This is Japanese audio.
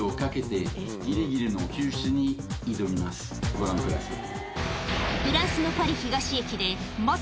ご覧ください。